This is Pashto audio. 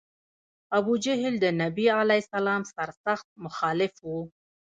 ابوجهل د نبي علیه السلام سر سخت مخالف و.